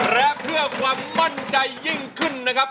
และเพื่อความมั่นใจยิ่งขึ้นนะครับ